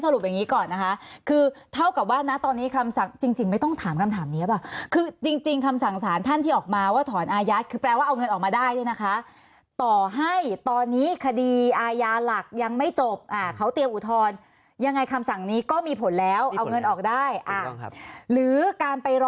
เราไม่จำเป็นที่จะต้องรอศาลอุท